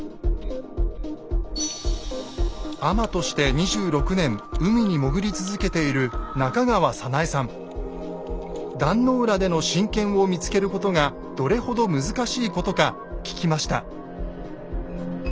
海女として２６年海に潜り続けている壇の浦での神剣を見つけることがどれほど難しいことか聞きました。